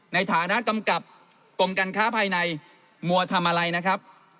ในฐานะกำกับกรมการค้าภายในมัวทำอะไรนะครับ